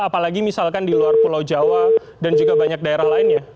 apalagi misalkan di luar pulau jawa dan juga banyak daerah lainnya